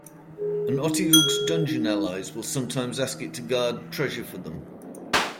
An otyugh's dungeon allies will sometimes ask it to guard treasure for them.